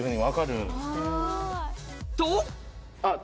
と！